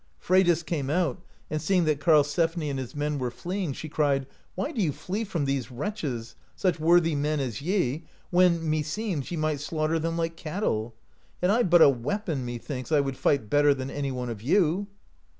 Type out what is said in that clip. Freydis came out, and seeing that Karlsefni and his men were fleeing, she cried: "Why do ye flee from these wretches, such worthy men as ye, when, meseems, ye might slaughter them like cattle. Had I but a weapon, methinks, I would fight better than any one of you!"